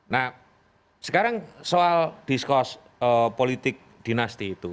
nah sekarang soal diskus politik dinasti itu